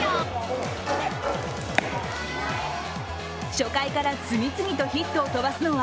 初回から次々とヒットを飛ばすのは